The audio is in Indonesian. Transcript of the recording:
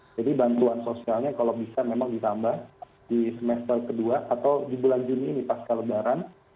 jadi bantuan sosialnya kalau bisa memang ditambah di semester kedua atau di bulan juni ini pasca lebaran